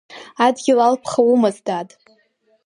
Адгьыл алԥха умаз, дад!